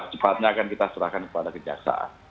cepatnya akan kita serahkan kepada kejaksaan